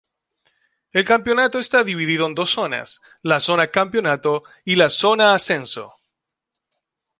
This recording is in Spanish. El campeonato está dividido en dos zonas; la "Zona Campeonato" y la "Zona Ascenso".